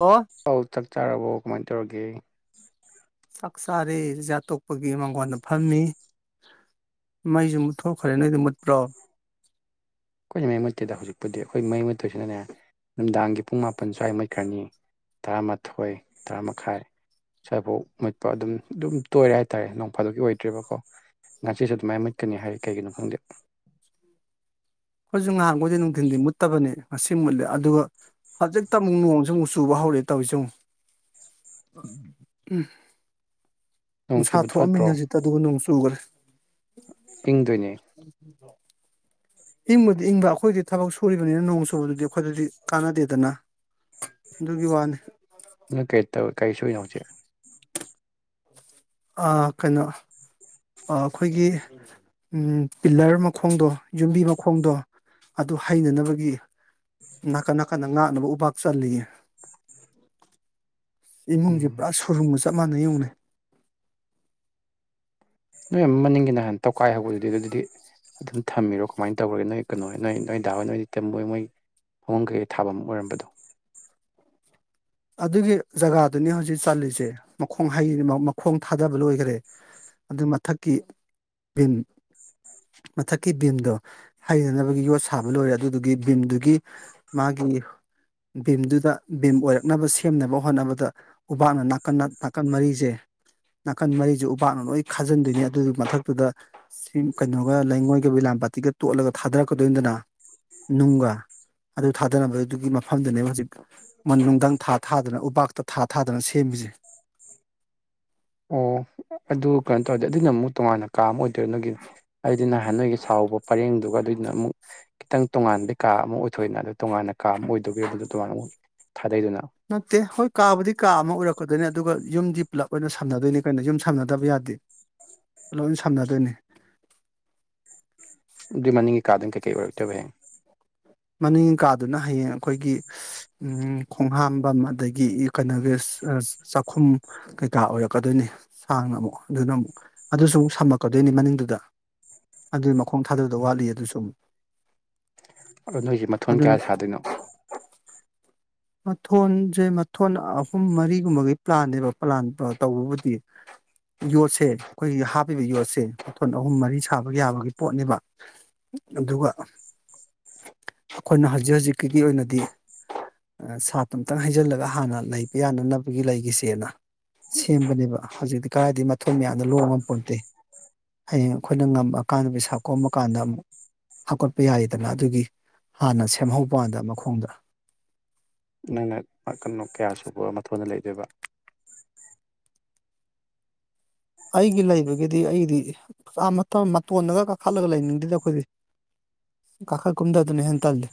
ꯑꯣ ꯑꯧ ꯆꯥꯛ ꯆꯥꯔꯕꯣ ꯀꯃꯥꯏ ꯇꯧꯔꯒꯦ ꯆꯥꯛ ꯆꯥꯔꯦ ꯖꯥ ꯇꯣꯛꯄꯒꯤ ꯃꯪꯒꯣꯟꯗ ꯐꯝꯃꯤ ꯃꯥꯏꯁꯨ ꯃꯨꯠꯊꯣꯛꯈ꯭ꯔꯦꯅꯦ ꯅꯣꯗꯤ ꯃꯨꯠꯄ꯭ꯔꯣ ꯑꯩꯈꯣꯏ ꯃꯩ ꯃꯨꯠꯇꯦꯗ ꯍꯧꯖꯤꯛꯄꯨꯗꯤ ꯑꯩꯈꯣꯏ ꯃꯩ ꯃꯨꯠꯇꯣꯏꯁꯤꯅꯅꯦ ꯅꯨꯡꯗꯥꯡꯒꯤ ꯄꯨꯡ ꯃꯥꯄꯟ ꯁ꯭ꯋꯥꯏ ꯃꯨꯠꯈ꯭ꯔꯅꯤ ꯇꯔꯥꯃꯥꯊꯣꯏ ꯇꯔꯥ ꯃꯈꯥꯏ ꯆꯥꯏꯐꯧ ꯃꯨꯠꯄ ꯑꯗꯨꯝ ꯑꯗꯨꯝ ꯇꯣꯏꯔꯦ ꯍꯥꯏꯇꯥꯔꯦ ꯅꯣꯡꯐꯥꯗꯨꯒꯤ ꯑꯣꯏꯗ꯭ꯔꯦꯔꯤꯕꯀꯣ ꯉꯥꯁꯤꯁꯨ ꯑꯗꯨꯃꯥꯏꯅ ꯃꯠꯀꯅꯤ ꯍꯥꯏꯔꯤ ꯀꯩꯒꯤꯅꯣ ꯈꯪꯗꯦ ꯑꯩꯈꯣꯏꯁꯨ ꯉꯥꯏꯍꯥꯡꯈꯣꯏꯗꯤ ꯅꯨꯡꯊꯤꯟꯗꯤ ꯃꯨꯠꯇꯕꯅꯤ ꯉꯁꯤ ꯃꯨꯠꯂꯦ ꯑꯗꯨꯒ ꯍꯧꯖꯤꯛꯇ ꯑꯃꯨꯛ ꯅꯣꯡꯁꯨ ꯑꯃꯨꯛ ꯆꯨꯕ ꯍꯧꯔꯦ ꯇꯧꯔꯤꯁꯤ ꯑꯃꯨꯛ ꯎꯝ ꯅꯣꯡ ꯅꯨꯡꯁꯥ ꯆꯨꯕ ꯐꯠꯇ꯭ꯔꯣ ꯊꯣꯛꯑꯝꯃꯤꯅꯤ ꯍꯧꯖꯤꯛꯇ ꯑꯗꯨꯕꯨ ꯅꯣꯡ ꯆꯨꯈ꯭ꯔꯦ ꯏꯤꯡꯗꯣꯏꯅꯦ ꯎ ꯏꯪꯕꯗꯤ ꯏꯪꯕ ꯑꯩꯈꯣꯏꯗꯤ ꯊꯕꯛ ꯁꯨꯔꯤꯕꯅꯤꯅ ꯅꯣꯡ ꯆꯨꯕꯗꯨꯗꯤ ꯑꯩꯈꯣꯏꯗꯗꯤ ꯀꯥꯟꯅꯗꯦꯗꯅ ꯑꯗꯨꯒꯤ ꯋꯥꯅꯤ ꯅꯪ ꯀꯩꯇꯧ ꯀꯩ ꯁꯨꯔꯤꯅꯣ ꯍꯧꯖꯤꯛ ꯑ ꯀꯩꯅꯣ ꯑ ꯈꯣꯏꯒꯤ ꯄꯤꯂꯔ ꯃꯈꯣꯡꯗꯣ ꯌꯨꯝꯕꯤ ꯃꯈꯣꯡꯗꯣ ꯑꯗꯨ ꯍꯩꯅꯅꯕꯒꯤ ꯅꯥꯀꯟ ꯅꯥꯀꯟꯗ ꯉꯥꯛꯅꯕ ꯎꯄꯥꯛ ꯆꯜꯂꯤꯌꯦ ꯏꯃꯨꯡꯖꯦ ꯎꯝ ꯄꯨꯔꯥ ꯁꯨꯔꯨꯝꯒ ꯆꯞ ꯃꯥꯟꯅꯩꯨ ꯌꯦꯉꯨꯅꯦ ꯅꯣꯏ ꯑꯃ ꯃꯅꯤꯡꯒꯤꯅ ꯅꯍꯥꯟ ꯇꯧꯈꯥꯏꯍꯧꯕꯗꯨꯗꯤ ꯑꯗꯨꯗꯤ ꯑꯗꯨꯝ ꯊꯝꯃꯤꯔꯣ ꯀꯃꯥꯏꯅ ꯇꯧꯔꯒꯦ ꯅꯣꯏ ꯀꯩꯅꯣ ꯅꯣꯏ ꯅꯣꯏꯗꯥ ꯍꯣꯏ ꯅꯣꯏꯗꯤ ꯇꯝꯃꯣꯏ ꯃꯣꯏ ꯐꯃꯨꯡ ꯀꯩꯀꯩ ꯊꯥꯐꯝ ꯑꯃ ꯑꯣꯏꯔꯝꯕꯗꯣ ꯑꯗꯨꯒꯤ ꯖꯒꯥꯗꯨꯅꯤ ꯍꯧꯖꯤꯛ ꯆꯠꯂꯤꯁꯦ ꯃꯈꯣꯡ ꯍꯩ ꯃꯈꯣꯡ ꯊꯥꯗꯕ ꯂꯣꯏꯈꯒꯔꯦ ꯑꯗꯨ ꯃꯊꯛꯀꯤ ꯚꯤꯟ ꯃꯊꯛꯀꯤ ꯚꯤꯝꯗꯣ ꯍꯩꯅꯅꯕꯒꯤ ꯌꯣꯠ ꯁꯥꯕ ꯂꯣꯏꯔꯦ ꯑꯗꯨꯗꯨꯒꯤ ꯚꯤꯝꯗꯨꯒꯤ ꯃꯥꯒꯤ ꯚꯤꯝꯗꯨꯗ ꯚꯤꯝ ꯑꯣꯏꯔꯛ ꯅꯕ ꯁꯦꯝꯅꯕ ꯍꯣꯠꯅꯕꯗ ꯎꯄꯥꯛꯅ ꯅꯥꯀꯟ ꯅꯥꯀꯟ ꯃꯔꯤꯁꯦ ꯅꯥꯀꯟ ꯃꯔꯤꯖꯦ ꯎꯄꯥꯛꯅ ꯂꯣꯏ ꯈꯥꯖꯤꯟꯗꯣꯏꯅꯤ ꯑꯗꯨꯒꯤ ꯃꯊꯛꯇꯨꯗ ꯁꯤ ꯀꯩꯅꯣꯒ ꯂꯩꯉꯣꯏꯒ ꯕꯤꯂꯥꯝꯄꯥꯇꯤꯒ ꯇꯣꯠꯂꯒ ꯊꯥꯗꯔꯛꯀꯗꯣꯏꯅꯤꯗꯅ ꯅꯨꯡꯒ ꯑꯗꯨ ꯊꯥꯗꯅꯕ ꯑꯗꯨꯒꯤ ꯃꯐꯝꯗꯨꯅꯦꯕ ꯍꯧꯖꯤꯛ ꯅꯨꯡꯙ ꯊꯥ ꯊꯥꯗꯅ ꯎꯄꯥꯛꯇ ꯊꯥ ꯊꯥꯗꯅ ꯁꯦꯝꯃꯤꯁꯦ ꯑꯣ ꯑꯗꯨ ꯀꯩꯅꯣ ꯇꯧꯔꯗꯤ ꯑꯗꯨꯅ ꯑꯃꯨꯛ ꯇꯣꯉꯥꯟꯅ ꯀꯥ ꯑꯃ ꯑꯣꯏꯗ ꯅꯒꯤ ꯑꯩꯗꯤ ꯅꯍꯥꯟ ꯅꯣꯏꯒꯤ ꯁꯥꯎꯕ ꯄꯔꯦꯡꯗꯨꯒ ꯑꯗꯨꯏꯗꯨꯅ ꯑꯃꯨꯛ ꯈꯤꯇꯪ ꯇꯣꯉꯥꯟꯕꯩ ꯀꯥ ꯑꯃ ꯑꯣꯏꯊꯣꯛꯑꯦꯗꯅ ꯑꯗꯨ ꯇꯣꯉꯥꯟꯅ ꯀꯥ ꯑꯃ ꯑꯣꯏꯗꯣꯏꯕꯤꯔꯣ ꯑꯗꯨꯅ ꯇꯣꯉꯥꯟꯅ ꯑꯃꯨꯛ ꯊꯥꯗꯩꯗꯨꯅ ꯅꯠꯇꯦ ꯍꯣꯏ ꯀꯥꯕꯨꯗꯤ ꯀꯥ ꯑꯃ ꯑꯣꯏꯔꯛꯀꯗꯣꯏꯅꯦ ꯑꯗꯨꯒ ꯌꯨꯝꯗꯤ ꯄꯨꯂꯞ ꯑꯣꯏꯅ ꯁꯝꯅꯗꯣꯏꯅꯤ ꯀꯩꯅꯣ ꯌꯨꯝ ꯁꯝꯅꯗꯕ ꯌꯥꯗꯦ ꯂꯣꯏ ꯁꯝꯅꯗꯣꯏꯅꯤ ꯑꯗꯨꯏ ꯃꯅꯤꯡꯒꯤ ꯀꯥꯗꯅ ꯀꯩꯀꯩ ꯑꯣꯏꯔꯛꯇꯕ ꯍꯌꯦꯡ ꯃꯅꯤꯡ ꯀꯥꯗꯨꯅ ꯍꯌꯦꯡ ꯑꯩꯈꯣꯏꯒꯤ ꯎ ꯈꯣꯡꯍꯥꯝꯕꯝ ꯑꯗꯒꯤ ꯀꯩꯅꯣꯒꯤ ꯆꯥꯛꯈꯨꯝ ꯀꯩꯀꯥ ꯑꯣꯏꯔꯛꯀꯗꯣꯏꯅꯤ ꯁꯥꯡꯅ ꯑꯃꯨꯛ ꯑꯗꯨꯅ ꯑꯗꯨꯁꯨ ꯑꯃꯨꯛ ꯁꯝꯃꯛꯀꯗꯣꯏꯅꯤ ꯃꯅꯤꯡꯗꯨꯗ ꯑꯗꯨꯏ ꯃꯈꯣꯡ ꯊꯥꯗꯕꯗ ꯋꯥꯠꯂꯤ ꯑꯗꯨꯁꯨ ꯑꯃꯨ ꯑꯣ ꯅꯣꯏꯁꯦ ꯃꯊꯣꯟ ꯑꯗꯨꯅ ꯀꯌꯥ ꯁꯥꯗꯣꯏꯅꯣ ꯃꯊꯣꯟꯁꯦ ꯃꯊꯣꯟ ꯑꯍꯨꯝ ꯃꯔꯤꯒꯨꯝꯕꯒꯤ ꯄ꯭ꯂꯥꯟꯅꯦꯕ ꯄ꯭ꯂꯥꯟ ꯇꯧꯕꯕꯨꯗꯤ ꯌꯣꯠꯁꯦ ꯑꯩꯈꯣꯏꯒꯤ ꯍꯥꯞꯄꯤꯕ ꯌꯣꯠꯁꯦ ꯃꯊꯣꯟ ꯑꯍꯨꯝ ꯃꯔꯤ ꯁꯥꯕ ꯌꯥꯕꯒꯤ ꯄꯣꯠꯅꯦꯕ ꯑꯗꯨꯒ ꯑꯩꯈꯣꯏꯅ ꯍꯧꯖꯤꯛ ꯍꯧꯖꯤꯛꯀꯤꯗꯤ ꯑꯣꯏꯅꯗꯤ ꯁꯥꯇ ꯑꯃꯝꯇꯪ ꯍꯩꯖꯤꯜꯂꯒ ꯍꯥꯟꯅ ꯂꯩꯕ ꯌꯥꯅꯅꯕꯒꯤ ꯂꯩꯈꯤꯁꯦꯅ ꯁꯦꯝꯕꯅꯦꯕ ꯍꯧꯖꯤꯛꯇꯤ ꯀꯗꯥꯏꯗꯒꯤ ꯃꯊꯣꯏ ꯃꯌꯥꯝꯗ ꯂꯣꯡ ꯉꯝꯄꯣꯟꯇꯦ ꯍꯌꯦꯡ ꯑꯩꯈꯣꯏꯅ ꯉꯝꯃꯀꯥꯟꯗ ꯄꯩꯁꯥ ꯀꯣꯝꯕ ꯀꯥꯟꯗ ꯑꯃꯨꯛ ꯍꯥꯞꯀꯠꯄ ꯌꯥꯏꯔꯤꯗꯅ ꯑꯗꯨꯒꯤ ꯍꯥꯟꯅ ꯁꯦꯝꯍꯧꯕ ꯋꯥꯟꯅꯤꯗ ꯃꯈꯣꯡꯗ ꯅꯪꯅ [unintelligible] ꯀꯌꯥ ꯁꯨꯕ ꯃꯊꯣꯟꯗ ꯂꯩꯗꯣꯏꯕ ꯑꯩꯒꯤ ꯂꯩꯕꯒꯤꯗꯤ ꯑꯩꯒꯤꯗꯤꯥ ꯃꯇꯣꯟꯅꯒ ꯀꯥꯈꯠꯂꯒ ꯂꯩꯅꯤꯡꯗꯦꯗ ꯑꯩꯈꯣꯏꯗꯤ ꯀꯥꯈꯠ ꯀꯨꯝꯊꯥ ꯗꯨꯅꯥ ꯍꯦꯟ ꯇꯜꯂꯦ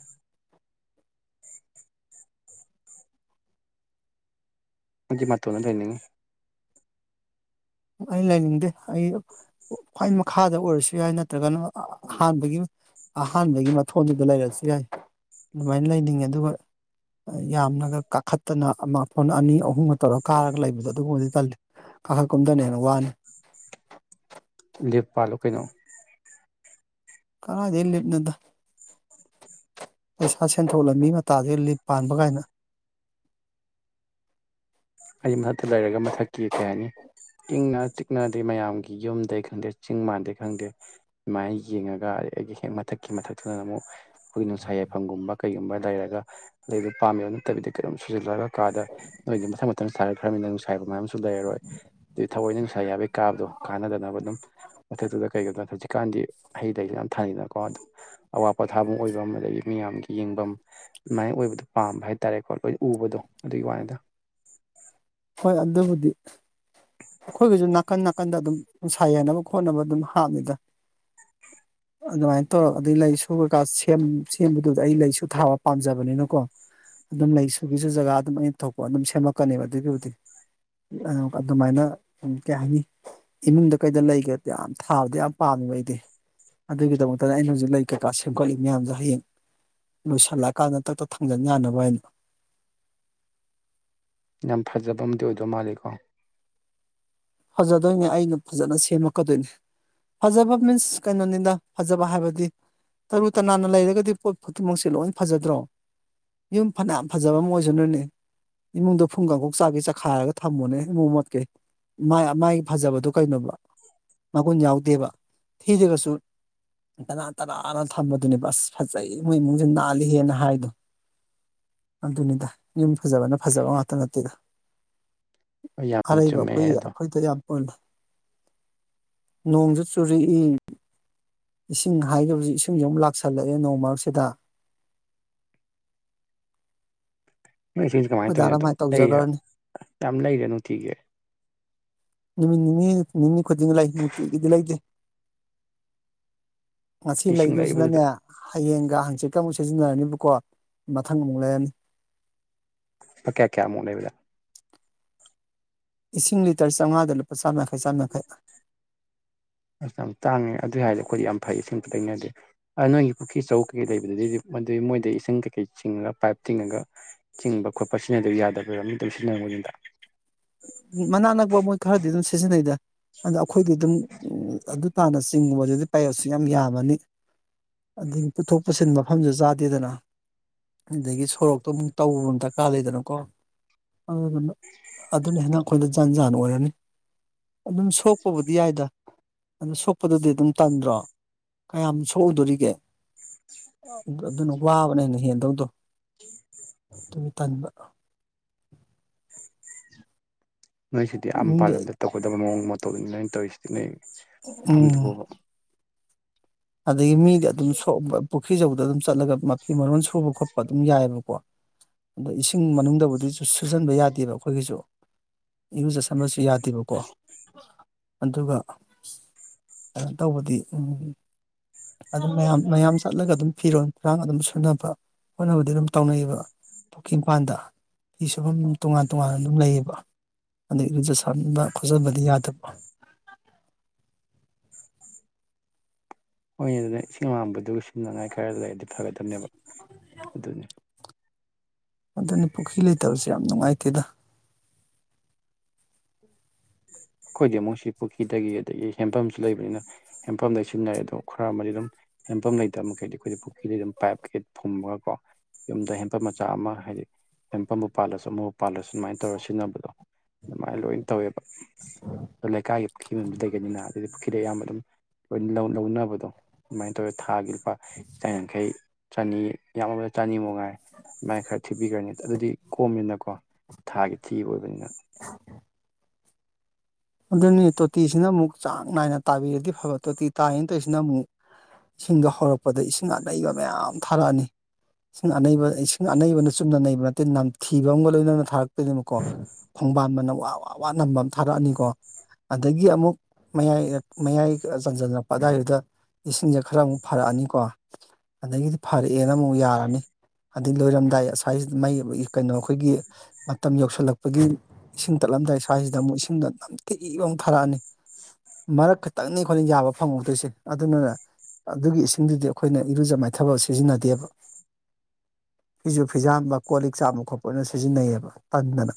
ꯑꯩꯗꯤ ꯃꯇ‌ꯣꯟꯗ ꯂꯩꯅꯤꯡꯉꯤ ꯑꯩ ꯂꯩꯅꯤꯡꯗꯦ ꯑꯩ ꯈ꯭ꯋꯥꯏ ꯃꯈꯥꯗ ꯑꯣꯏꯔꯁꯨ ꯌꯥꯏ ꯅꯠꯇ꯭ꯔꯒꯅ ꯑꯍꯥꯟꯕꯒꯤ ꯑꯍꯥꯟꯕꯒꯤ ꯃꯊꯣꯟꯗꯨꯗ ꯂꯩꯔꯁꯨ ꯌꯥꯏ ꯑꯗꯨꯃꯥꯏꯅ ꯂꯩꯅꯤꯡꯉꯦ ꯑꯗꯨꯒ ꯌꯥꯝꯅꯒ ꯀꯥꯈꯠꯇꯅ ꯑꯃꯊꯣꯟ ꯑꯅꯤ ꯑꯍꯨꯝꯒ ꯇꯧꯔꯒ ꯀꯥꯔꯒ ꯂꯩꯕꯗꯣ ꯑꯗꯨꯒꯨꯝꯕꯗꯤ ꯇꯜꯂꯤ ꯀꯥꯈꯠ ꯀꯨꯨꯝꯗꯅ ꯍ‌ꯦꯟꯅ ꯋꯥꯔ‌ꯦ ꯂꯦꯞ ꯄꯥꯜꯂꯣ ꯀꯩꯅꯣ ꯀꯔꯥꯏꯗꯦ ꯂꯦꯞ ꯅ‌ꯣꯗ ꯄꯩꯁꯥ ꯁꯦꯟꯊꯣꯛ ꯂꯝꯕꯤ ꯃꯇꯥꯁꯤ ꯂꯤꯞ ꯄꯥꯟꯕ ꯀꯥꯏꯅ ꯑꯩ ꯃꯊꯛꯇ ꯂꯩꯔꯒ ꯃꯊꯛꯀꯤ ꯀꯩ ꯍꯥꯏꯅꯤ ꯏꯪꯅ ꯆꯤꯛꯅ ꯑꯗꯩ ꯃꯌꯥꯝꯒꯤ ꯌꯨꯝꯗꯩ ꯈꯪꯗꯦ ꯆꯤꯡ ꯃꯥꯟꯗꯩ ꯈꯪꯗꯦ ꯑꯗꯨꯨꯃꯥꯏꯅ ꯌꯦꯡꯉꯒ ꯑꯗ ꯑꯩꯒꯤ ꯍꯦꯛ ꯃꯊꯛꯀꯤ ꯃꯊꯛꯇꯨꯅ ꯑꯃꯨꯛ ꯑꯩꯈꯣꯏꯒꯤ ꯅꯨꯡꯁꯥꯏ ꯌꯥꯏꯐꯝꯒꯨꯝꯕ ꯀꯩꯒꯨꯝꯕ ꯂꯩꯔꯒ ꯂꯩꯗꯨ ꯄꯥꯝꯃꯤꯕ ꯅꯠꯇꯕꯤꯗ ꯀꯗꯨꯝ ꯁꯨꯖꯜꯂꯒ ꯀꯥꯗ ꯅꯣꯏꯗꯤ ꯃꯊꯪ ꯃꯊ ꯁꯥꯒꯠꯈ꯭ꯔꯃꯤꯅ ꯅꯨꯡꯁꯥ ꯌꯥꯏꯕꯝ ꯃꯌꯥꯝꯁꯨ ꯂꯩꯔꯔꯣꯏ ꯑꯗꯩ ꯊꯑꯣꯏꯅ ꯅꯨꯡꯁꯥꯏ ꯌꯥꯏꯕꯩ ꯀꯥꯕꯗꯣ ꯀꯥꯟꯅꯗꯅꯕ ꯑꯗꯨꯝ ꯃꯊꯛꯇꯨꯗ ꯀꯩꯒꯤꯗꯅꯣ ꯍꯧꯖꯤꯛꯀꯥꯟꯗꯤ ꯍꯩ ꯂꯩꯁꯨ ꯌꯥꯝ ꯊꯥꯅꯤꯅꯀꯣ ꯑꯗꯨ ꯑꯋꯥ ꯄꯊꯥꯕꯝ ꯑꯣꯏꯐꯝ ꯑꯗꯒꯤ ꯃꯤꯌꯥꯝꯒꯤ ꯌꯦꯡꯕꯝ ꯑꯗꯨꯃꯥꯏ ꯑꯣꯏꯕꯗꯣ ꯄꯥꯝꯕ ꯍꯥꯏꯇꯥꯔꯦꯀꯣ ꯂꯣꯏꯟ ꯎꯕꯗꯣ ꯑꯗꯨꯒꯤ ꯋꯥꯅꯤꯗ ꯍꯣꯏ ꯑꯗꯨꯕꯨꯗꯤ ꯑꯩꯈꯣꯏꯒꯁꯨ ꯅꯥꯀꯟ ꯅꯥꯀꯟꯗ ꯑꯗꯨꯝ ꯅꯨꯡꯁꯥ ꯌꯟꯅꯕ ꯈꯣꯠꯅꯕ ꯑꯗꯨꯝ ꯍꯥꯞꯅꯤꯗ [inaudible] ꯑꯗꯨꯃꯥꯏꯟꯇꯧ ꯑꯗꯩ ꯂꯩꯁꯨꯀꯥ ꯁꯦꯝꯕꯗꯨꯗ ꯑꯩ ꯂꯩꯁꯨ ꯊꯥꯕ ꯄꯥꯝꯖꯕꯅꯤꯅꯀꯣ ꯑꯗꯨꯝ ꯂꯩꯁꯨꯒꯤꯁꯨ ꯖꯒꯥ ꯑꯗꯨꯝ ꯑꯩꯅ ꯊꯣꯛꯄ ꯑꯗꯨꯝ ꯁꯦꯝꯃꯛꯀꯅꯦꯕ ꯑꯗꯨꯒꯤ ꯑꯗꯨꯃꯥꯏꯅ ꯎꯝ ꯀꯩ ꯍꯥꯏꯅꯤ ꯏꯃꯨꯡꯗ ꯀꯩꯗ ꯂꯩꯒ ꯌꯥꯝ ꯊꯥꯕꯗꯨ ꯌꯥꯝ ꯄꯥꯝꯃꯤꯕ ꯑꯩꯗꯤ ꯑꯗꯨꯒꯤꯗꯃꯛꯇꯅꯤ ꯑꯩꯅ ꯍꯧꯖꯤꯛ ꯂꯩ ꯀꯩꯀꯥ ꯁꯦꯝꯒꯠꯂꯤ ꯃꯌꯥꯝꯁꯨ ꯍꯌꯦꯡ ꯂꯣꯏꯁꯤꯜꯂꯛꯑꯀꯥꯟꯗ ꯇꯛ ꯇꯛ ꯊꯥꯡꯖꯟ ꯌꯥꯅꯕ ꯍꯥꯏꯅ ꯌꯥꯝ ꯐꯖꯕ ꯑꯝꯗꯤ ꯑꯣꯏꯗꯣꯏ ꯃꯥꯜꯂꯦꯀꯣ ꯐꯖꯗꯣꯏꯅꯦ ꯑꯩꯅ ꯐꯖꯅ ꯁꯦꯝꯃꯛꯀꯗꯣꯏꯅꯦ ꯐꯖꯕ ꯃꯤꯟꯁ ꯀꯩꯅꯣꯅꯤꯅ ꯐꯖꯕ ꯍꯥꯏꯕꯗꯤ ꯇꯔꯨ ꯇꯅꯥꯟꯅ ꯂꯩꯔꯒꯗꯤ ꯄꯣꯠ ꯈꯨꯗꯤꯡꯃꯛꯁꯤ ꯂꯣꯏ ꯐꯖꯗ꯭ꯔꯣ ꯌꯨꯝ ꯐꯅꯌꯥꯝ ꯐꯖꯕ ꯑꯝ ꯑꯣꯏꯁꯅꯨꯅꯦ ꯏꯃꯨꯡꯗ ꯐꯨꯡꯀꯥꯡꯀꯣꯛ ꯆꯥꯒꯦ ꯆꯈꯥꯏꯔꯒ ꯊꯝꯃꯣꯅꯦ ꯏꯃ‌ꯣ ꯃꯣꯠꯀꯩ ꯃꯥꯏ ꯑꯃꯥꯏꯒꯤ ꯐꯖꯕꯗꯣ ꯀꯩꯅꯣꯕ ꯃꯒꯨꯟ ꯌꯥꯎꯗꯦꯕ ꯊꯤꯗ꯭ꯔꯒꯁꯨ ꯇꯅꯥꯟ ꯇꯅꯥꯟꯅ ꯊꯝꯕꯗꯨꯅꯦ ꯑꯁ ꯐꯖꯩ ꯏꯃꯣꯏ ꯏꯃꯨꯡꯁꯦ ꯅꯥꯜꯂꯤꯍꯦꯅ ꯍꯥꯏꯗꯣ ꯑꯗꯨꯅꯤꯗ ꯌꯨꯝ ꯐꯖꯕꯅ ꯐꯖꯕ ꯉꯥꯛꯇ ꯅꯠꯇꯦꯗ ꯍ‌ꯣꯏ ꯌꯥꯝ ꯆꯨꯝꯃꯦ ꯑꯗꯣ ꯍꯣꯏꯗ ꯌꯥꯝ [unintelligible] ꯅꯣꯡꯁꯖꯨ ꯆꯨꯔꯛꯏ ꯏꯁꯤꯡ ꯍꯥꯏꯈꯤꯕꯁꯤ ꯏꯁꯤꯡꯁꯤ ꯑꯃꯨꯛ ꯂꯥꯛꯁꯜꯂꯛꯑꯦ ꯅꯣꯡ ꯃꯔꯛꯁꯤꯗ ꯅꯣꯏ ꯏꯁꯤꯡꯁꯦ ꯀꯃꯥꯏꯅ ꯑꯩꯈꯣꯏ ꯇꯧꯔꯤꯅꯣ ꯗꯥꯅ ꯑꯗꯨꯝ ꯃꯥꯏ ꯂꯩꯔꯤꯔꯥ ꯇꯧꯖꯈ꯭ꯔꯅꯤ ꯌꯥꯝ ꯂꯩꯔꯦ ꯅꯨꯡꯇꯤꯒꯤ ꯅꯨꯃꯤꯠ ꯅꯤꯅꯤ ꯅꯤꯅꯤ ꯈꯨꯗꯤꯡꯒꯤ ꯂꯩ ꯅꯨꯡꯇꯤꯒꯤꯗꯤ ꯂꯩꯗ‌ꯦ ꯉꯁꯤ ꯏꯁꯤꯡ ꯂꯩꯗꯣꯏꯁꯤꯅꯅꯦ ꯂꯩꯕꯗꯨꯗ ꯍꯌꯦꯡꯒ ꯍꯪꯆꯤꯠꯀ ꯑꯃꯨꯛ ꯁꯤꯖꯤꯟꯅꯔꯅꯤꯕꯀꯣ ꯃꯊꯪ ꯑꯃꯨꯛ ꯂꯩꯔꯅꯤ ꯂꯨꯄꯥ ꯀꯌꯥ ꯀꯌꯥꯃꯨꯛ ꯂꯩꯕꯗ ꯏꯁꯤꯡ ꯂꯤꯇꯔ ꯆꯥꯝꯉꯥꯗ ꯂꯨꯄꯥ ꯆꯥꯝ ꯌꯥꯡꯈꯩ ꯆꯥꯝ ꯌꯥꯡꯈꯩ ꯑꯁ ꯌꯥꯝ ꯇꯥꯡꯉꯦ ꯑꯗꯨꯏ ꯍꯥꯏꯔꯗꯤ ꯑꯩꯈꯣꯏꯗꯤ ꯌꯥꯝ ꯐꯩ ꯏꯁꯤꯡ ꯂꯩꯅꯗꯦ ꯅꯣꯏꯒꯤ ꯄꯨꯈ꯭ꯔꯤ ꯆꯧ ꯀꯩꯀꯩ ꯂꯩꯕꯗꯨꯗꯤ ꯃꯗꯨꯏ ꯃꯣꯏꯗ ꯏꯁꯤꯡ ꯀꯩꯀꯩ ꯆꯤꯡꯉꯒ ꯄꯥꯏꯞ ꯇꯤꯡꯉꯒ ꯆꯤꯡꯕ ꯈꯣꯠꯄ ꯁꯤꯅ ꯑꯗꯨ ꯌꯥꯗꯕ ꯑꯃ ꯑꯗꯨ ꯁꯤꯖꯤꯟꯅꯔꯝꯅꯤꯗ ꯃꯅꯥꯛ ꯅꯛꯄ ꯃꯣꯏ ꯈꯔꯗꯤ ꯑꯗꯨꯝ ꯁꯤꯖꯤꯟꯅꯩꯗ ꯑꯗꯣ ꯑꯩꯈꯣꯏꯗꯤ ꯑꯗꯨꯝ ꯎ ꯑꯗꯨ ꯇꯥꯅ ꯆꯤꯡꯒꯨꯝꯕꯗꯨꯗꯤ ꯄꯥꯏꯌꯦꯞꯁꯨ ꯌꯥꯝ ꯌꯥꯝꯃꯅꯤ꯫ ꯑꯗꯨꯒꯤ ꯄꯨꯊꯣꯛ ꯄꯨꯁꯤꯟ ꯃꯐꯝꯁꯨ ꯆꯥꯗꯦꯗꯅ ꯑꯗꯒꯤ ꯁꯣꯔꯣꯛꯇꯣ ꯑꯃꯨꯛ ꯇꯧꯕ ꯑꯃ ꯗꯔꯀꯥꯔ ꯂꯩꯗꯅꯀꯣ ꯑꯗꯨ ꯑꯗꯨꯅ ꯍꯦꯟꯅꯥꯛ ꯑꯩꯈꯣꯏꯗ ꯖꯥꯟꯖꯥꯅ ꯑꯣꯏꯔꯅꯤ꯫ ꯑꯗꯨꯝ ꯁꯣꯛꯄꯕꯨꯗꯤ ꯌꯥꯏꯗ ꯑꯗꯨ ꯁꯣꯛꯄꯗꯨꯗꯤ ꯑꯗꯨꯝ ꯇꯟꯗ꯭ꯔꯣ ꯀꯌꯥꯝ ꯁꯣꯛꯎꯗꯣꯔꯤꯒꯦ ꯑꯗꯨꯅ ꯋꯥꯕꯅ ꯍ‌ꯦꯟꯅ ꯍꯦꯟꯗꯧꯗꯣ ꯑꯗꯨꯒꯤ ꯇꯟꯕ꯫ ꯅꯣꯏꯁꯤꯗꯤ ꯑꯥ ꯃꯄꯥꯜ ꯃꯤꯗꯤ ꯂꯝꯗ ꯇꯧꯒꯗꯕ ꯃꯑꯣꯡ ꯃꯇꯧꯗꯨꯅꯤ ꯅꯣꯏꯅ ꯇꯧꯔꯤꯁꯤꯗꯤ ꯅꯣꯏ ꯎꯝ ꯃꯐꯝꯗꯨꯕꯨꯕ ꯑꯗꯒꯤ ꯃꯤꯗꯤ ꯑꯗꯨꯝ ꯁꯣꯛꯑ ꯄꯨꯈ꯭ꯔꯤꯆꯧꯕꯗ ꯑꯗꯨꯝ ꯆꯠꯂꯒ ꯃꯐꯤ ꯃꯔꯣꯟ ꯁꯨꯕ ꯈꯣꯠꯄ ꯑꯗꯨꯝ ꯌꯥꯏꯑꯦꯕꯀꯣ ꯑꯗꯣ ꯏꯁꯤꯡ ꯃꯅꯨꯡꯗꯕꯨꯗꯤ ꯁꯨ ꯁꯨꯖꯤꯟꯕ ꯌꯥꯗꯦꯕ ꯑꯩꯈꯣꯏꯒꯤꯁꯨ ꯏꯔꯨꯖꯁꯝꯕꯁꯨ ꯌꯥꯗꯦꯕꯀꯣ ꯑꯗꯨꯒ ꯀꯩꯅꯣ ꯇꯧꯕꯗꯤ ꯎꯨꯝ ꯑꯗꯨꯝ ꯃꯌꯥꯝ ꯃꯌꯥꯝ ꯆꯠꯂꯒ ꯑꯗꯨꯝ ꯐꯤꯔꯣꯟꯜ ꯐꯔꯥꯡ ꯑꯗꯨꯝ ꯁꯨꯅꯕ ꯍꯣꯠꯅꯕꯗꯤ ꯑꯗꯨꯝ ꯇꯧꯅꯩꯌꯦꯑꯕ ꯄꯨꯣꯛ꯭ꯀꯤ ꯏꯄꯥꯟꯗ ꯐꯤ ꯁꯨꯐꯝ ꯇꯣꯉꯥꯟ ꯇꯣꯉꯥꯟꯅ ꯑꯗꯨꯝ ꯂꯩꯌꯦꯕ ꯑꯗꯩ ꯏꯔꯨꯖꯁꯟꯕ ꯈꯣꯠꯆꯟꯕꯗꯤ ꯌꯥꯗꯕ ꯍꯣꯏꯅꯤ ꯑꯗꯨꯅ ꯏꯁꯤꯡ ꯍꯥꯡꯝꯕꯗꯨ ꯁꯤꯖꯤꯟꯅꯉꯥꯏ ꯈꯔ ꯂꯩꯔꯗꯤ ꯐꯒꯗꯕꯅꯦꯕ ꯑꯗꯨꯅꯤ ꯑꯗꯨꯅꯤ ꯄꯨꯈ꯭ꯔꯤ ꯂꯩꯇꯕꯁꯦ ꯌꯥꯝ ꯅꯨꯡꯉꯥꯏꯇꯦꯗ ꯑꯩꯈꯣꯏꯗꯤ ꯑꯃꯨꯛꯁꯤ ꯄꯨꯈ꯭ꯔꯤꯗꯒꯤ ꯑꯗꯒꯤ ꯍꯦꯟꯄꯝꯁꯨ ꯂꯩꯕꯅꯤꯅ ꯍꯦꯟꯄꯝꯗꯩ ꯁꯤꯖꯤꯟꯅꯔꯦ ꯑꯗꯣ ꯈꯔ ꯑꯃꯗꯤ ꯑꯗꯨꯝ ꯍꯦꯟꯐꯝ ꯂꯩꯇꯕ ꯃꯈꯩꯗꯤ ꯑꯩꯈꯣꯏꯗꯤ ꯄꯨꯈ꯭ꯔꯤꯗ ꯑꯗꯨꯝ ꯄꯥꯏꯞ ꯀꯀꯩ ꯐꯨꯝꯃꯒ ꯀꯣ ꯌꯨꯝꯗ ꯍꯦꯟꯄꯝ ꯃꯆꯥ ꯑꯃ ꯍꯥꯏꯗꯤ ꯍꯦꯟꯄꯝꯕꯨ ꯄꯥꯜꯂꯁꯨ ꯑꯃꯕꯨ ꯄꯥꯜꯂꯁꯨ ꯑꯗꯨꯃꯥꯏꯅ ꯇꯧꯔ ꯁꯤꯖꯤꯟꯅꯕꯗꯣ ꯑꯗꯨꯃꯥꯏꯅ ꯂꯣꯏꯅ ꯇꯧꯋꯦ ꯂꯩꯀꯥꯏꯒꯤ ꯄꯨꯈ꯭ꯔꯤ ꯂꯩꯕꯗꯒꯤꯅꯤꯅ ꯑꯗꯨꯗꯒꯤ ꯄꯨꯈ꯭ꯔꯤꯗꯩ ꯑꯌꯥꯝꯕ ꯑꯗꯨꯝ ꯂꯣꯏ ꯂꯧ ꯂꯧꯅꯕꯗꯣ ꯑꯗꯨꯃꯥꯏꯅ ꯇꯧꯋꯦ ꯊꯥꯒꯤ ꯂꯨꯄꯥ ꯆꯥꯝ ꯌꯥꯡꯈꯩ ꯆꯅꯤ ꯌꯥꯝꯃꯕꯗ ꯆꯅꯤꯃꯥ ꯉꯥꯏ ꯃꯥꯏ ꯈꯔ ꯊꯤꯕꯤꯈ꯭ꯔꯅꯤ ꯑꯗꯨꯗꯤ ꯀꯣꯝꯃꯦꯅꯀꯣ ꯊꯥꯒꯤ ꯊꯤꯕ ꯑꯣꯏꯕꯅꯤꯅ [inaudible] ꯑꯗꯨꯅꯤ ꯇꯣꯇꯤꯁꯤꯅ ꯑꯃꯨꯛ ꯆꯥꯡ ꯅꯥꯏꯅ ꯇꯥꯕꯤꯔꯗꯤ ꯐꯕ ꯇꯣꯇꯤ ꯇꯥꯔꯤꯅꯦꯅ ꯇꯧꯔꯤꯁꯤꯅ ꯑꯃꯨꯛ ꯏꯁꯤꯡꯗ ꯍꯧꯔꯛꯄꯗ ꯏꯁꯤꯡ ꯑꯅꯩꯕ ꯃꯌꯥꯝ ꯊꯥꯔꯛꯑꯅꯤ ꯏꯁꯤꯡ ꯑꯅꯩꯕ ꯏꯁꯤꯡ ꯑꯅꯩꯕꯅ ꯆꯨꯝꯅ ꯅꯩꯕ ꯅꯠꯇꯦ ꯅꯝꯊꯤꯕ ꯑꯃꯒ ꯂꯣꯏꯅꯅ ꯊꯥꯔꯛꯇꯣꯏꯅꯦꯕꯀꯣ ꯈꯣꯡꯕꯥꯟꯅ ꯋꯥ ꯋꯥ ꯋꯥ ꯅꯝꯕ ꯑꯃ ꯊꯥꯔꯛꯑꯅꯤꯀꯣ ꯑꯗꯒꯤ ꯑꯃꯨꯛ ꯃꯌꯥꯏ ꯃꯌꯥꯏ ꯆꯟꯖꯜꯅꯛꯄ ꯑꯗꯨꯋꯥꯏꯗꯨꯗ ꯏꯁꯤꯡꯁꯦ ꯈꯔ ꯑꯃꯨꯛ ꯐꯔꯛꯑꯅꯤꯀꯣ ꯑꯗꯒꯤꯗꯤ ꯐꯔꯛꯑꯦꯅ ꯑꯃꯨꯛ ꯌꯥꯔꯅꯤ ꯑꯗꯩ ꯂꯣꯏꯔꯝꯗꯥꯏ ꯑꯁ꯭ꯋꯥꯏꯖꯤꯗ ꯃꯩ ꯀꯩꯅꯣ ꯑꯩꯈꯣꯏꯒꯤ ꯃꯇꯝ ꯌꯧꯁꯤꯜꯂꯛꯄꯒꯤ ꯏꯁꯤꯡ ꯇꯠꯂꯝꯗꯥꯏ ꯁ꯭ꯋꯥꯏꯁꯤꯗ ꯑꯃꯨꯛ ꯏꯁꯤꯡꯗꯣ ꯅꯝꯊꯤꯕ ꯑꯃ ꯊꯥꯔꯛꯑꯅꯤ ꯃꯔꯛ ꯈꯛꯇꯪꯅꯤ ꯈꯣꯠꯅ ꯌꯥꯕ ꯐꯪꯍꯧꯗꯣꯏꯁꯦ ꯑꯗꯨꯅꯅ ꯑꯗꯨꯒꯤ ꯏꯁꯤꯡꯗꯨꯗꯤ ꯑꯩꯈꯣꯏꯅ ꯏꯔꯨꯖ ꯃꯥꯏꯊꯕ ꯁꯤꯖꯤꯟꯅꯗꯦꯕ ꯐꯤꯖꯨ ꯐꯤꯖꯥꯝꯕ ꯀꯣꯜ ꯂꯤꯛ ꯆꯥꯝꯕ ꯈꯣꯠꯄ ꯑꯣꯏꯅ ꯁꯤꯖꯤꯟꯅꯩꯌꯦꯕ ꯇꯟꯗꯅ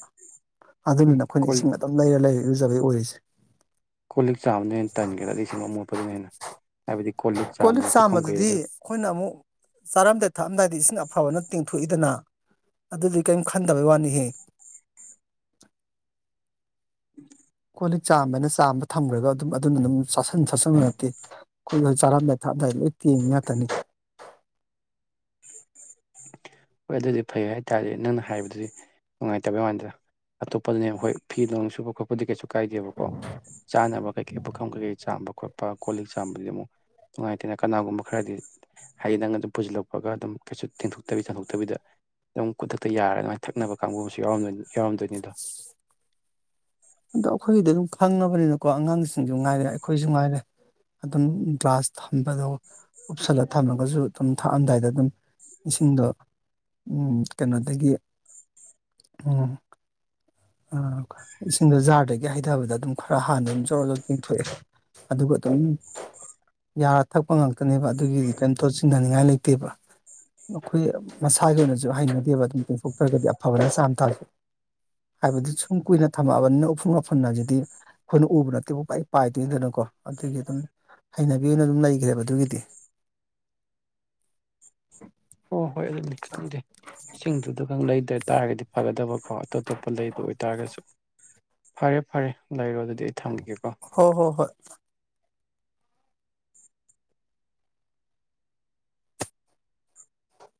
ꯑꯗꯨꯗꯨꯅ ꯑꯩꯈꯣꯏꯅ ꯀꯣꯜ ꯏꯁꯤꯡ ꯑꯗꯨꯝ ꯂꯩꯔ ꯂꯩꯔ ꯏꯔꯨꯖꯕꯩ ꯑꯣꯏꯔꯤꯁꯦ ꯀꯣꯜ ꯂꯤꯛ ꯆꯥꯕꯅ ꯍꯦꯟꯅ ꯇꯟꯒꯦꯔꯥ ꯏꯁꯤꯡ ꯑꯃꯣꯠꯄꯗꯨꯅ ꯍꯦꯟꯅ ꯍꯥꯏꯕꯗꯤ ꯀꯣꯜ ꯂꯤꯛ ꯆꯥꯝꯃꯦ ꯄꯨꯈꯝ ꯀꯩ ꯂꫭꯏ ꯑꯩꯈꯣꯏꯅ ꯑꯃꯨꯛ ꯆꯥꯔꯝꯗꯥꯏ ꯊꯛꯑꯝꯗꯥꯏꯗ ꯏꯁꯤꯡ ꯑꯐꯕꯅ ꯇꯦꯡꯊꯣꯛꯏꯗꯅ ꯑꯗꯨꯗꯤ ꯀꯔꯤꯝ ꯈꯟꯗꯕꯩ ꯋꯥꯅꯤꯍꯦ ꯀꯣꯜ ꯂꯤꯛ ꯆꯥꯝꯕ ꯍꯥꯏꯅ ꯆꯥꯝꯕ ꯊꯝꯈ꯭ꯔꯒ ꯑꯗꯨꯝ ꯑꯗꯨꯅ ꯑꯗꯨꯝ ꯆꯁꯤꯟ ꯆꯥꯁꯟꯕ ꯅꯠꯇꯦ ꯑꯩꯈꯣꯏ ꯆꯥꯔꯝꯗꯥꯏ ꯊꯥꯗꯥꯏ ꯂꯣꯏ ꯇꯦꯡꯉꯤ ꯉꯥꯛꯇꯅꯤ꯫ ꯍꯣꯏ ꯑꯗꯨꯗꯤ ꯐꯩ ꯍꯥꯏꯇꯥꯔꯗꯤ ꯅꯪꯅ ꯍꯥꯏꯕꯗꯨꯗꯤ ꯅꯨꯡꯉꯥꯏꯇꯕꯩ ꯋꯥꯥꯟꯗꯅ ꯑꯇꯣꯞꯄꯗꯅꯦ ꯈꯣꯏ ꯐꯤ ꯂꯣꯟ ꯁꯨꯕ ꯈꯣꯠꯄ ꯑꯗꯨꯗꯤ ꯀꯩꯁꯨ ꯀꯥꯏꯗꯦꯕꯀꯣ ꯆꯥꯅꯕ ꯀꯩ ꯀꯩ ꯄꯨꯥꯈꯝ ꯀꯩꯀꯩ ꯆꯥꯝꯕ ꯈꯣꯠ ꯂꯄ ꯀꯣꯜ ꯂꯤꯛ ꯆꯥꯝꯕꯗꯨꯗꯤ ꯑꯃꯨꯛ ꯅꯨꯡꯉꯥꯏꯇꯦꯅ ꯀꯅꯥꯒꯨꯝꯕ ꯈꯔꯗꯤ ꯍꯥꯏꯗꯤ ꯅꯪ ꯑꯗꯨꯝ ꯄꯨꯁꯤꯜꯂꯛꯄꯒ ꯑꯗꯨꯝ ꯀꯩꯁꯨ ꯇꯦꯡꯊꯣꯛꯇꯕꯤ ꯊꯣꯛ ꯐꯠꯇꯕꯤꯗ ꯑꯗꯨꯝ ꯈꯨꯗꯛꯇ ꯌꯥꯔꯒ ꯉꯥꯏ ꯊꯛꯅꯕ ꯀꯥꯡꯕꯨ ꯑꯃꯁꯨ ꯌꯥꯎꯝ ꯌꯥꯎꯔꯝꯗꯣꯏꯅꯤꯗꯣ ꯑꯗꯣ ꯑꯩꯈꯣꯏꯒꯤꯗꯤ ꯑꯗꯨꯝ ꯈꯪꯉꯕꯅꯤꯅꯀꯣ ꯑꯉꯥꯡꯁꯤꯡꯁꯨ ꯉꯥꯏꯔꯦ ꯑꯩꯈꯣꯏꯁꯨ ꯉꯥꯏꯔꯦ ꯑꯗꯨꯝ ꯒ꯭ꯂꯥꯁ ꯊꯝꯕꯗꯣ ꯎꯞꯁꯜꯂ ꯊꯝꯃꯒꯁꯨ ꯑꯗꯨꯝ ꯊꯛꯑꯝꯗꯥꯏꯗ ꯑꯗꯨꯝ ꯏꯁꯤꯡꯗꯣ ꯎꯝ ꯀꯩꯅꯣꯗꯒꯤ ꯎꯝ ꯑꯥ ꯏꯁꯤꯡꯗꯣ ꯖꯥꯔꯗꯒꯤ ꯍꯩꯊꯕꯗ ꯑꯗꯨꯝ ꯈꯔ ꯍꯥꯟꯅ ꯖꯣꯔ ꯖꯣꯔ ꯇꯤꯡꯊꯣꯛꯑꯦꯕ ꯑꯗꯨꯒ ꯑꯗꯨꯝ ꯌꯥꯔ ꯊꯛꯄ ꯉꯥꯛꯇꯅꯦꯕ ꯑꯗꯨꯒꯤꯗꯤ ꯀꯟ [unintelligible] ꯆꯤꯡꯊꯅꯤꯡꯉꯥꯏ ꯂꯩꯇꯦꯕ ꯑꯩꯈꯣꯏ ꯃꯁꯥꯒꯤ ꯑꯣꯏꯅꯁꯨ ꯍꯩꯅꯗꯦꯕ ꯑꯗꯨꯝ ꯇꯦꯡꯊꯣꯛꯇ꯭ꯔꯒꯗꯤ ꯑꯐꯕꯅ ꯆꯥꯝ ꯊꯥꯗꯦ ꯍꯥꯏꯕꯗꯤ ꯁꯨꯝ ꯀꯨꯏꯅ ꯊꯝꯃꯛꯑꯕꯅꯤꯅ ꯎꯐꯨꯡ ꯃꯥꯄꯟ ꯑꯗꯨꯗꯤ ꯑꯩꯈꯣꯏꯅ ꯎꯕ ꯅꯠꯇꯦꯕꯨ ꯄꯨꯄꯥꯢ ꯄꯥꯏꯗꯣꯏꯅꯤꯅꯀꯣ ꯑꯗꯨꯒꯤ ꯑꯗꯨꯝ ꯍꯩꯅꯕꯤ ꯑꯣꯏꯅ ꯑꯗꯨꯝ ꯂꯩꯈ꯭ꯔꯦꯕ ꯑꯗꯨꯒꯤꯗꯤ ꯍꯣ ꯍꯣꯏ ꯑꯗꯨꯗꯤ ꯈꯪꯗꯦ ꯏꯁꯤꯡꯗꯨꯗꯒꯪ ꯂꯩꯗ ꯇꯥꯔꯒꯗꯤ ꯐꯒꯗꯕꯀꯣ ꯑꯇꯣꯞ ꯑꯇꯣꯞꯄ ꯂꯩꯕ ꯑꯣꯏꯇꯥꯔꯒꯁꯨ ꯐꯔꯦ ꯐꯔꯦ ꯂꯩꯔꯣ ꯑꯗꯨꯗꯤ ꯑꯩ ꯊꯝꯒꯤꯒꯦꯀꯣ ꯍꯣꯏ ꯍꯣꯏ ꯍꯣꯏ